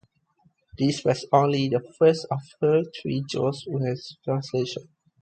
This was only the first of her three Jules Verne translations.